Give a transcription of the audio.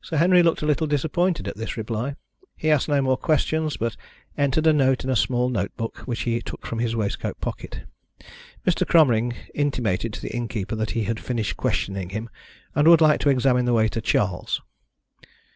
Sir Henry looked a little disappointed at this reply. He asked no more questions, but entered a note in a small note book which he took from his waistcoat pocket. Mr. Cromering intimated to the innkeeper that he had finished questioning him, and would like to examine the waiter, Charles.